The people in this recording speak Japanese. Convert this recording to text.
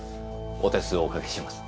お手数をおかけします。